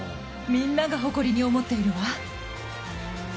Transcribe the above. みんなが誇りに思っているわ。